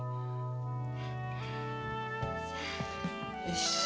よし。